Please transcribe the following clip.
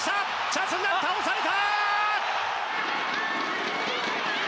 チャンスになる、倒された！